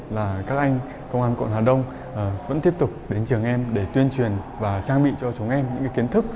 là các anh công an quận hà đông vẫn tiếp tục đến trường em để tuyên truyền và trang bị cho chúng em những kiến thức